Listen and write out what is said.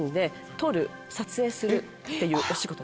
撮影するっていうお仕事です。